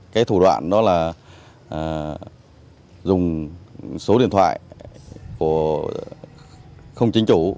cái thủ đoạn đó là dùng số điện thoại không chính chủ